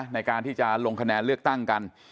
ในการที่จะลงคะแนนเลือกตั้งกัน